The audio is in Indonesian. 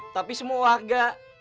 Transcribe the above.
tapi semua warga